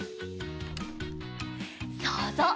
そうぞう。